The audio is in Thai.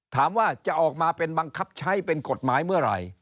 ถามว่าจะออกมาเป็นบังคับใช้เป็นกฎหมายเมื่อไหร่